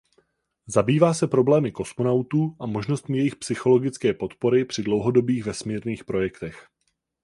Zabývá se problémy kosmonautů a možnostmi jejich psychologické podpory při dlouhodobých vesmírných projektech.